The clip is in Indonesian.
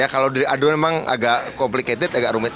kalau dari aduan memang agak complicated agak rumit